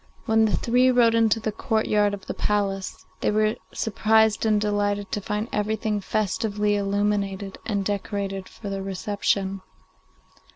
When the three rode into the courtyard of the palace, they were surprised and delighted to find everything festively illuminated and decorated for their reception.